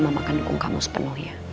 mama akan dukung kamu sepenuhnya